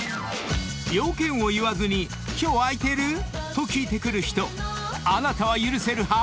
［用件を言わずに「今日空いてる？」と聞いてくる人あなたは許せる派？